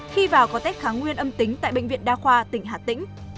khi vào có tết kháng nguyên âm tính tại bệnh viện đa khoa tỉnh hà tĩnh